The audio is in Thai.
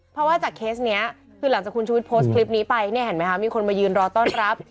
เพราะว่าจากเคสนี้คือหลังจากคุณชุวิตโพสต์คลิปนี้ไปเนี่ยเห็นไหมคะมีคนมายืนรอต้อนรับ